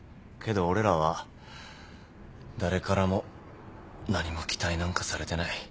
けど俺らは誰からも何も期待なんかされてない。